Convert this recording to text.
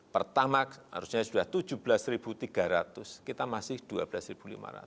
pertama harusnya sudah tujuh belas tiga ratus kita masih rp dua belas lima ratus